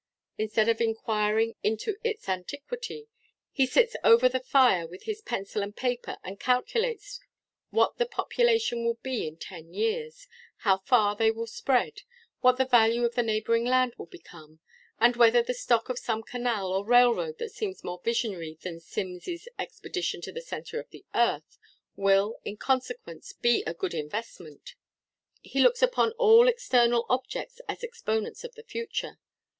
Instead of inquiring into its antiquity, he sits over the fire with his paper and pencil, and calculates what the population will be in ten years, how far they will spread, what the value of the neighbouring land will become, and whether the stock of some canal or rail road that seems more visionary than Symmes's expedition to the centre of the earth, will, in consequence, be a good investment. He looks upon all external objects as exponents of the future.